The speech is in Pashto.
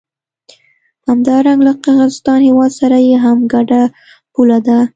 همدارنګه له قزاقستان هېواد سره یې هم ګډه پوله ده.